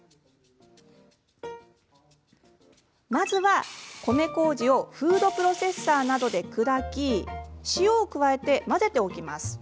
まずは、米こうじをフードプロセッサーなどで砕き塩を加えて混ぜておきます。